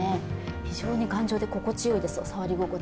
非常に頑丈で、心地よいです、触り心地。